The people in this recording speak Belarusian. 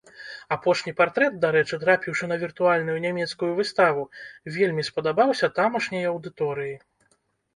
Апошні партрэт, дарэчы, трапіўшы на віртуальную нямецкую выставу, вельмі спадабаўся тамашняй аўдыторыі.